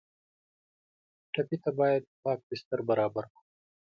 ټپي ته باید پاک بستر برابر کړو.